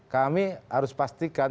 kami harus pastikan